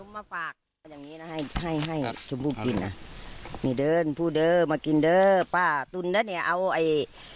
ไม่เคยเลย